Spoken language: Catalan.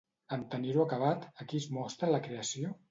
En tenir-ho acabat, a qui es mostra la creació?